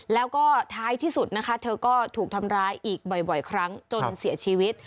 แล้วก็ท้ายที่สุดนะคะเธอก็ถูกทำร้ายอีกบ่อยครั้งจนเสียชีวิต